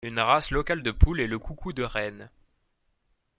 Une race locale de poules est le coucou de Rennes.